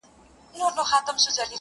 سړي وویل جنت ته به زه ځمه -